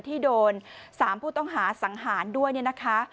ที่โดนเกิด๓ผู้ต้องหาสังหารด้วยนะคะ